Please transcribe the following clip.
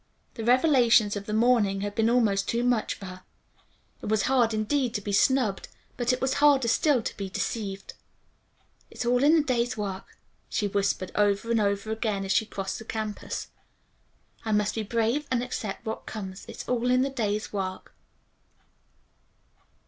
The revelations of the morning had been almost too much for her. It was hard indeed to be snubbed, but it was harder still to be deceived. "It's all in the day's work," she whispered, over and over again, as she crossed the campus. "I must be brave and accept what comes. It's all in the day's work."